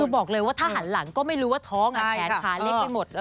คือบอกเลยว่าถ้าหันหลังก็ไม่รู้ว่าท้องแขนขาเล็กไปหมด